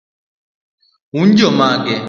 un jomage?